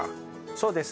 そうです